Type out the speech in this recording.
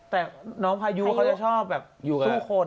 แต่น้องพายุเขาจะชอบแบบอยู่กับทุกคน